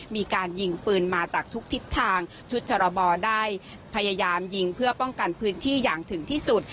มีการยิงปืนมาจากทุกทิศทางชุดชรบได้พยายามยิงเพื่อป้องกันพื้นที่อย่างถึงที่สุด